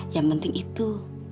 yang penting itu